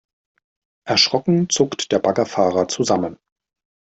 Erschrocken zuckt der Baggerfahrer zusammen.